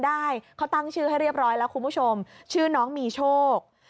ได้เขาตั้งชื่อให้เรียบร้อยแล้วคุณผู้ชมชื่อน้องมีโชค